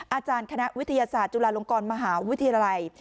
อาจารย์คณะวิทยาศาสตร์จุฬาลงกรมหาวิทยาลัย